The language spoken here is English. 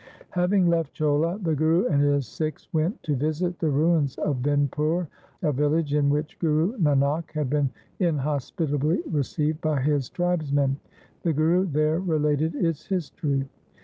Having left Cholha the Guru and his Sikhs went to visit the ruins of Vindpur, a village in which Guru Nanak had been inhospitably received by his tribes men. The Guru there related its history.